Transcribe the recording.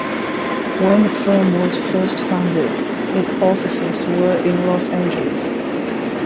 When the firm was first founded its offices were in Los Angeles.